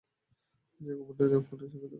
সে commander অ্যাপাকর্নের সঙ্গে দেখা করে।